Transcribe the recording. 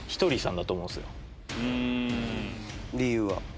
理由は？